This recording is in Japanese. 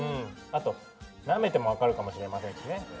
あとなめても分かるかもしれませんしね。